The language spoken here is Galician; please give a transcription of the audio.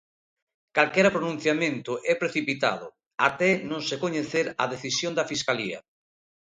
"Calquera pronunciamento é precipitado" até non se coñecer a decisión da Fiscalía.